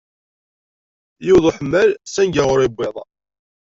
Yewweḍ uḥemmal sanga ur yewwiḍ.